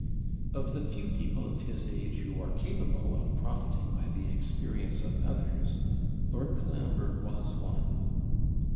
Of the few people of his age who are capable of profiting by the experience of others, Lord Colambre was one.